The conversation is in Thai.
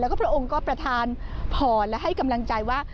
แล้วก็พระองค์ก็ประธานพรและให้กำลังใจว่า